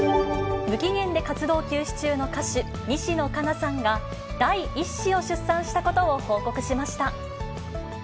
無期限で活動休止中の歌手、西野カナさんが、第１子を出産したことを報告しました。